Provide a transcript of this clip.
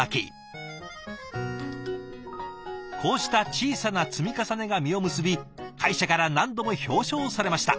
こうした小さな積み重ねが実を結び会社から何度も表彰されました。